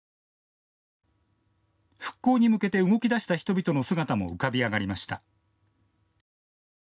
復興に向けて動き出した人々の姿も浮かび上がりました。